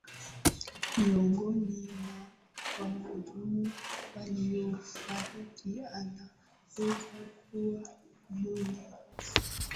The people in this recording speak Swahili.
miongoni mwa wahudumu waliyofariki anaweza kuwa violet